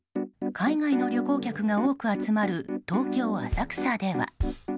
海外の旅行客が多く集まる東京・浅草では。